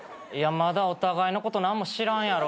まだお互いのこと何も知らんやろ。